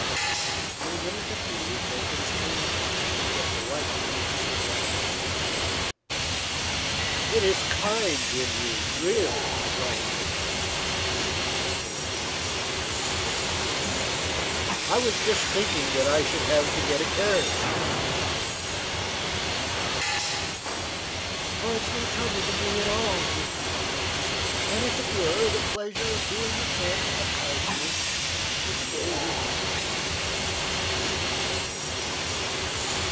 In a minute or two Jenkins came out, and stepped lightly into the wagon. "It is kind in you, really, to call for me," he said, as the wagon moved briskly away. "I was just thinking that I should have to get a carriage." "It is no trouble to me at all," returned Gooding, "and if it were, the pleasure of doing a friend a kindness would fully repay it."